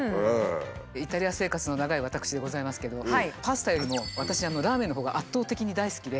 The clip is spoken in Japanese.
イタリア生活の長い私でございますけれどもパスタよりも私ラーメンのほうが圧倒的に大好きで。